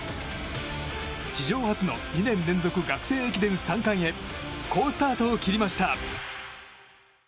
史上初の２年連続学生駅伝３冠へ好スタートを切りました。